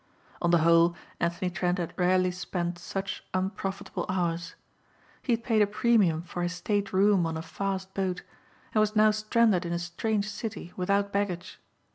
On the whole Anthony Trent had rarely spent such unprofitable hours. He had paid a premium for his state room on a fast boat and was now stranded in a strange city without baggage.